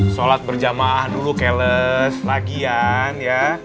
sholat berjamaah dulu cales lagian ya